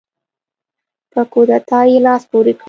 په کودتا یې لاس پورې کړ.